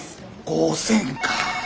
５，０００か。